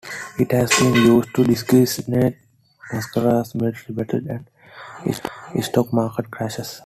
It has been used to designate massacres, military battles and stock market crashes.